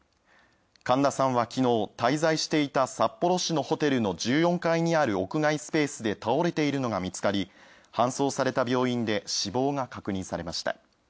神田さんは昨日、滞在していた札幌市のホテルの１４階にある屋外スペースで倒れているのが見つかり、搬送された病院で死亡が確認されました。